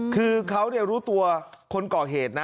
คือเขารู้ตัวคนก่อเหตุนะ